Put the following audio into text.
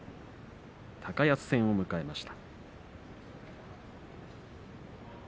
高安戦を迎えます。